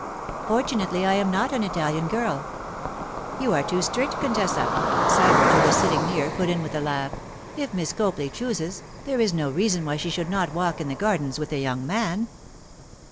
'Fortunately I am not an Italian girl.' 'You are too strict, contessa,' Sybert, who was sitting near, put in with a laugh. 'If Miss Copley chooses, there is no reason why she should not walk in the gardens with a young man.